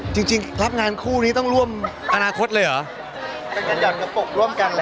จริงพักงานคู่นี้ต้องร่วมอนาคตเลยหรอ